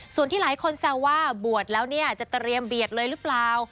ส่วนที่หลายคนแซวว่าบวชแล้วเนี่ยจะเตรียมเบียดเลยหรือเปล่า